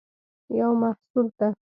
یو محصول ته